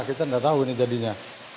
kita tidak tahu ini jadinya